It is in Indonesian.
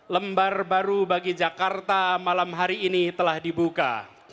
lembar baru bagi jakarta malam hari ini telah dibuka